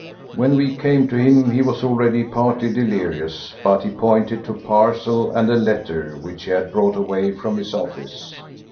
When we came to him he was already partly delirious, but he pointed to a parcel and a letter which he had brought away from his office.